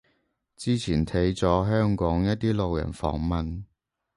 之前睇咗香港一啲路人訪問